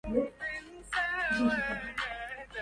قلقلنا من أجلك كثيرا.